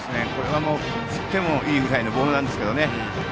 振ってもいいぐらいのボールなんですけどね。